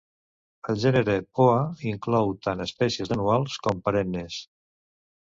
El gènere "Poa" inclou tant espècies anuals com perennes.